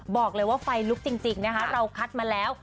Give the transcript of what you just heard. บอกเลยว่าไฟลุกจริงนะคะเราคัดมาแล้ว